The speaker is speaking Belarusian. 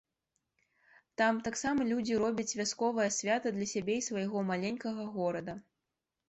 Там таксама людзі робяць вясковае свята для сябе і свайго маленькага горада.